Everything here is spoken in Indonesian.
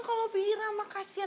kalau biira mah kasian